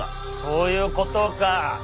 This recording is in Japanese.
そういうことか。